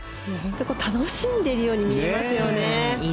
楽しんでいるように見えますよね。